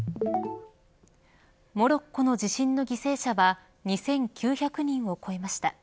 モロッコの地震の犠牲者は２９００人を超えました。